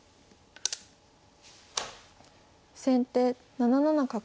先手７七角。